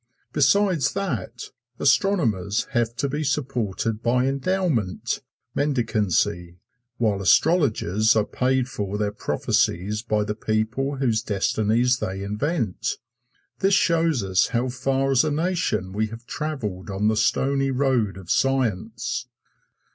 Besides that, astronomers have to be supported by endowment mendicancy while astrologers are paid for their prophecies by the people whose destinies they invent. This shows us how far as a nation we have traveled on the stony road of Science.